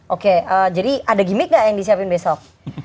oke jadi ada gimmick gak yang disiapin besok